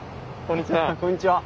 こんにちは。